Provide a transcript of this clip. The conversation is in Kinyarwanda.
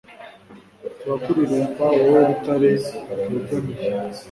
turakuririmba, wowe rutare twegamiye (